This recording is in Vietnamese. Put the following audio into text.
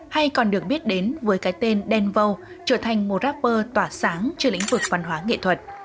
hay còn được biết đến với cái tên danow trở thành một rapper tỏa sáng trên lĩnh vực văn hóa nghệ thuật